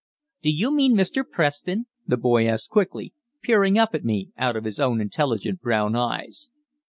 "Do you mean Mr. Preston?" the boy asked quickly, peering up at me out of his intelligent brown eyes.